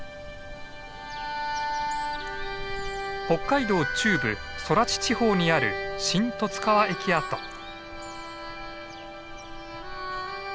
北海道中部空知地方にある新十津川駅跡。